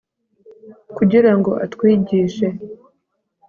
kugira ngo atwigishe